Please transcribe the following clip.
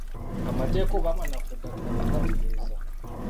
Amateeka oba manafu eddagala kugatereeza.